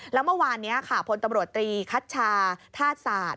แล้วเมื่อวานนี้ค่ะพลตำรวจตรีคัชชาธาตุศาสตร์